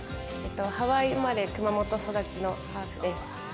ハワイ生まれ熊本育ちのハーフです。